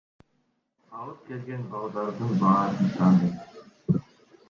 Алып келген балдардын баарын тааныйм.